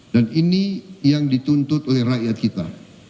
dan ini yang dituntut oleh rakyat kita